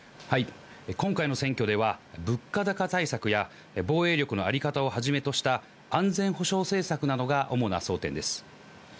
今回の選挙では物価高対策や防衛力のあり方をはじめとした安全保障政策などが主な争点です。